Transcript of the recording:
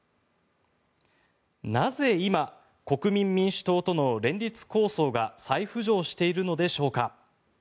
なぜ今国民民主党との連立構想が再浮上しているのでしょうか。